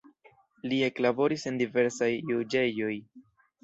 Li eklaboris en diversaj juĝejoj.